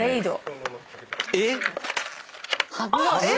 えっ。